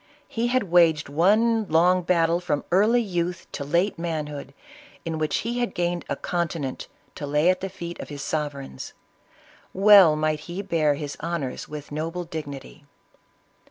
He had waged one long battle from early youth to late manhood, in which he had gained a continent to lay at the feet of his sovereigns. Well might he bear his honors with noble dignity